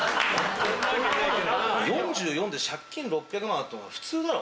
４４で借金６００万あるって普通だろ。